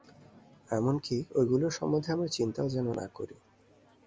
এমন কি, ঐগুলির সম্বন্ধে আমরা চিন্তাও যেন না করি।